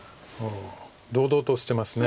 堂々としてます。